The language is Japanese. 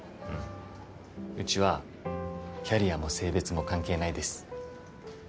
うんうちはキャリアも性別も関係ないです。